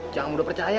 jangan mudah percaya